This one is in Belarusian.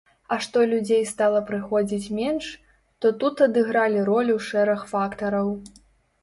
А што людзей стала прыходзіць менш, то тут адыгралі ролю шэраг фактараў.